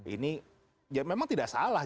ini ya memang tidak salah